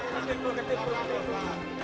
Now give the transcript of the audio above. ketemu ketemu ketemu